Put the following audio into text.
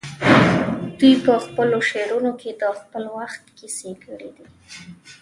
دوی په خپلو شعرونو کې د خپل وخت کیسې کړي دي